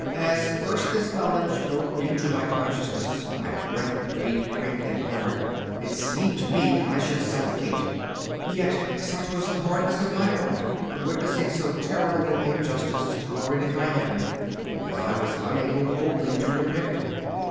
As first this knowledge broke into my consciousness my breath beat quick and hard; it seemed to me that I should suffocate. Yet such was the hardness of my heart from witnessing so terrible an injustice tolerated by Heaven, that I was unable wholly to repent.